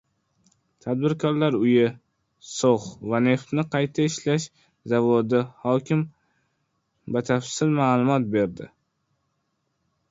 Tadbirkorlar uyi, So‘x va neftni qayta ishlash zavodi — Hokim batafsil ma’lumot berdi